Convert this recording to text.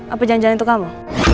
apa jalan jalan itu kamu